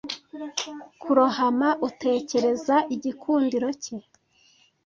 kurohama utekereza igikundiro cye